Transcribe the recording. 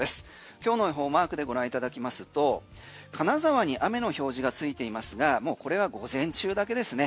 今日の予報マークでご覧いただきますと金沢に雨の表示がついていますがもうこれは午前中だけですね。